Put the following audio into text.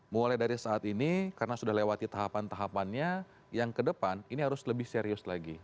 mulai dari saat ini karena sudah lewati tahapan tahapannya yang kedepan ini harus lebih serius lagi